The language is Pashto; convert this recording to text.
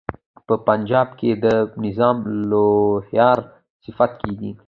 په پنجاب کې د نظام لوهار صفت کیږي.